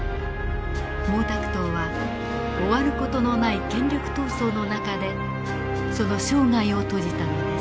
毛沢東は終わる事のない権力闘争の中でその生涯を閉じたのです。